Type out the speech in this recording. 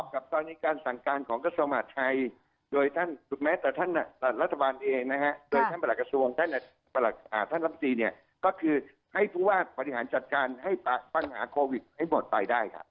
คือมันจะตาใจได้เลยถ้าจะปิดหรือถ้าจะเค็มรัวดก็ได้เลย